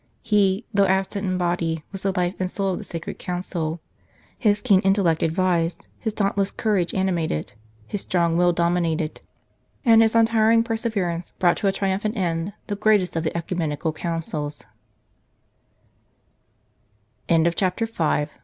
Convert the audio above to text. He, though absent in body, was the life and soul of the Sacred Council ; his keen intellect advised, his dauntless courage animated, his strong will dominated, and his untiring perseverance brought to a triumphant end the greatest of the (Ecumenical Co